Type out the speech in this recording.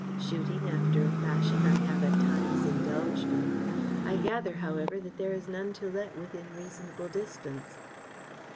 Shooting, after a fashion, I have at times indulged in. I gather, however, that there is none to let within reasonable distance."